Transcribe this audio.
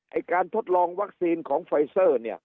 ไอ้การทดลองวัคซีนของไฟเซอร์เนี่ย